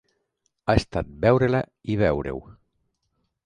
Ha estat veure-la i veure-ho.